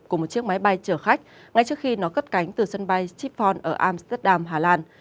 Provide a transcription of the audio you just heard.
của một chiếc máy bay chở khách ngay trước khi nó cất cánh từ sân bay sipphone ở amsterdam hà lan